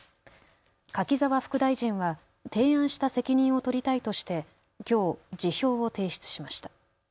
柿沢副大臣は提案した責任を取りたいとしてきょう辞表を提出しました。